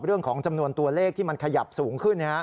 เรื่องของจำนวนตัวเลขที่มันขยับสูงขึ้น